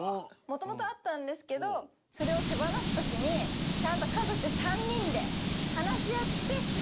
もともとあったんですけどそれを手放す時にちゃんと家族３人で話し合って決めたので。